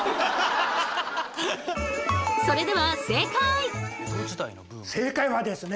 それでは正解はですね